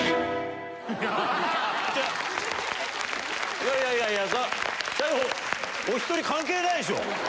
いやいやいやいや最後お１人関係ないでしょ！